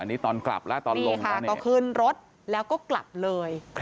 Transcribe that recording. อันนี้ตอนกลับแล้วตอนลงค่ะก็ขึ้นรถแล้วก็กลับเลย